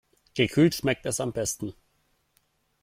Gekühlt schmeckt es am besten.